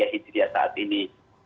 tiga hijriah saat ini